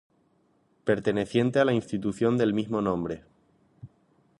Perteneciente a la institución del mismo nombre.